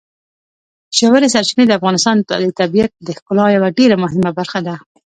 ژورې سرچینې د افغانستان د طبیعت د ښکلا یوه ډېره مهمه برخه ده.